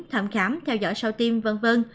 thẩm khám theo dõi sầu tiêm v v